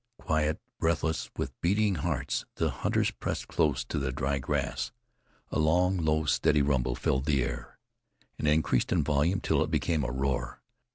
Quiet, breathless, with beating hearts, the hunters pressed close to the dry grass. A long, low, steady rumble filled the air, and increased in volume till it became a roar.